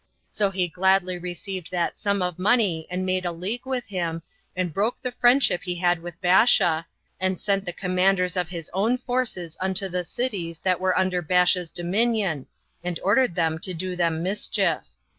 So he gladly received that sum of money, and made a league with him, and broke the friendship he had with Baasha, and sent the commanders of his own forces unto the cities that were under Baasha's dominion, and ordered them to do them mischief.